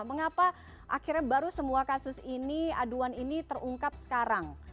mengapa akhirnya baru semua kasus ini aduan ini terungkap sekarang